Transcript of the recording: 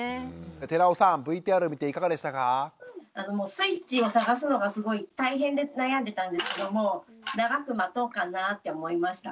スイッチを探すのがすごい大変で悩んでたんですけども長く待とうかなぁって思いました。